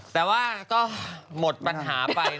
แต่ว่าก็หมดปัญหาไป